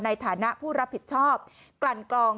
ในฐานะผู้รับผิดชอบกลั่นกลอง